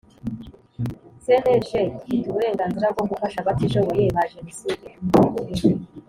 cnlg ifite uburenganzira bwo gufasha abatishoboye ba jenocide